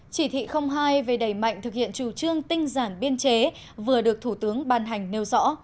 chỉ thị hai về đẩy mạnh thực hiện chủ trương tinh giản biên chế vừa được thủ tướng ban hành nêu rõ